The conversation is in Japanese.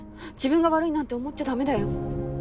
自分が悪いなんて思っちゃ駄目だよ。